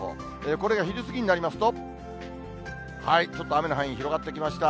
これが昼過ぎになりますと、ちょっと雨の範囲広がってきました。